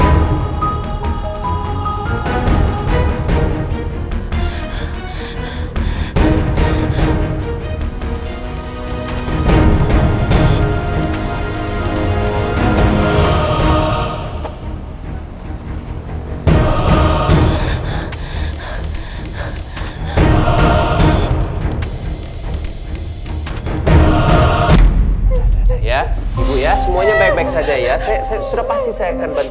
aku berharap kalau pahlawan kesayangan kamu itu akan datang dan menyelamatkan kamu